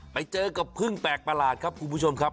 ไปเจอกับพึ่งแปลกประหลาดครับคุณผู้ชมครับ